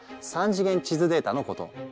３次元地図データのこと。